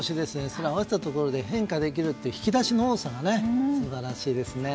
それを合わせたところで変化できるという引き出しの多さが素晴らしいですね。